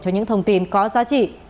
cho những thông tin có giá trị